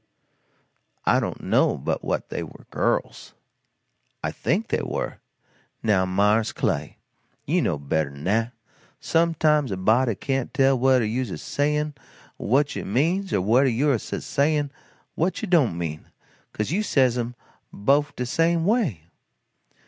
"I don't know but what they were girls. I think they were." "Now mars Clay, you knows bettern dat. Sometimes a body can't tell whedder you's a sayin' what you means or whedder you's a sayin' what you don't mean, 'case you says 'em bofe de same way."